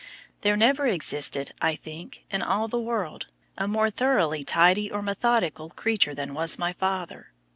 There never existed, I think, in all the world, a more thoroughly tidy or methodical creature than was my father.